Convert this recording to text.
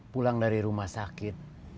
pulang dari rumah sakit